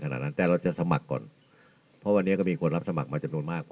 ขนาดนั้นแต่เราจะสมัครก่อนเพราะวันนี้ก็มีคนรับสมัครมาจำนวนมาก